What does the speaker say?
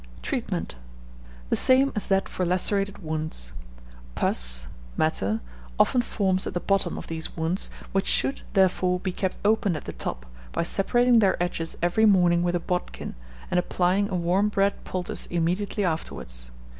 Treatment. The same as that for lacerated wounds. Pus (matter) often forms at the bottom of these wounds, which should, therefore, be kept open at the top, by separating their edges every morning with a bodkin, and applying a warm bread poultice immediately afterwards.